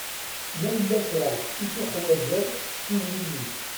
Ma yella kra i tuḥwaǧeḍ siwel-iyi-d.